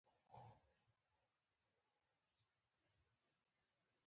افغانستان له زمرد ډک دی.